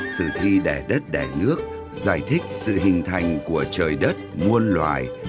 sử thi đẻ đất đẻ nước giải thích sự hình thành của trời đất muôn loài